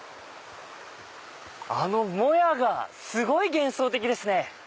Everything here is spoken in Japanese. あのもやがすごい幻想的ですね。